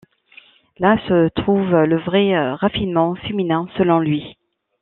Là se trouve le vrai raffinement féminin selon lui.